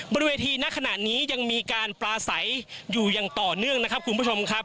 บริเวณณขณะนี้ยังมีการปลาใสอยู่อย่างต่อเนื่องนะครับคุณผู้ชมครับ